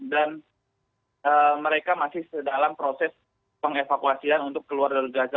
dan mereka masih dalam proses pengevakuasian untuk keluar dari gaza